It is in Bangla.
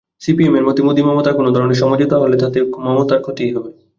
সিপিএমের মতে, মোদি-মমতার কোনো ধরনের সমঝোতা হলে তাতে মমতার ক্ষতিই হবে।